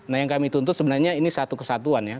nah yang kami tuntut sebenarnya ini satu kesatuan ya